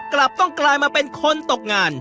กลับต้องกลายมาเป็นคนตกงาน